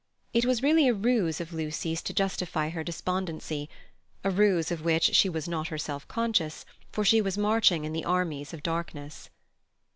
It was really a ruse of Lucy's to justify her despondency—a ruse of which she was not herself conscious, for she was marching in the armies of darkness.